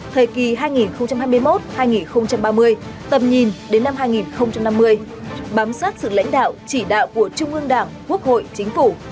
thời kỳ hai nghìn hai mươi một hai nghìn ba mươi tầm nhìn đến năm hai nghìn năm mươi bám sát sự lãnh đạo chỉ đạo của trung ương đảng quốc hội chính phủ